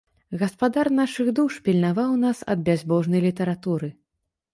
Гаспадар нашых душ пільнаваў нас ад бязбожнай літаратуры.